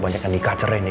banyak yang nikah cerai nih